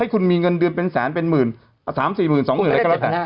คุณมีเงินเดือนเป็นแสนเป็นหมื่น๓๔หมื่น๒หมื่นอะไรก็แล้วแต่